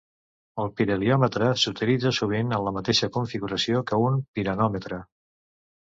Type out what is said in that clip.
El pirheliòmetre s'utilitza sovint en la mateixa configuració amb un piranòmetre.